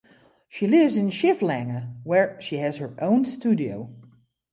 She lives in Schifflange where she has her own studio.